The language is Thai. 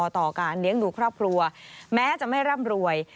ต่อการเลี้ยงดูครอบครัวแม้จะไม่ร่ำรวย